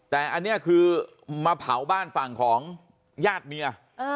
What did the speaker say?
แต่อันนี้คือมาเผาบ้านฝั่งของญาติเมีย